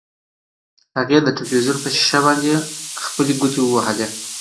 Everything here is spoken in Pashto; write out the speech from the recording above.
هغې د تلویزیون په شیشه باندې خپلې ګوتې وهلې.